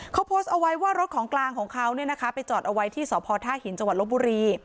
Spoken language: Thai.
เขาโพสต์เอาไว้ว่ารถของกลางของเขาไปจอดเอาไว้ที่สพท่าหินจังหวัดลบบุรี